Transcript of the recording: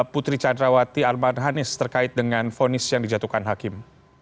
putri candrawati arman hanis terkait dengan fonis yang dijatuhkan hakim